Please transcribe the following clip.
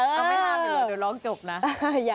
เออเอาไม่ห้ามเถอะเดี๋ยวร้องจบนะ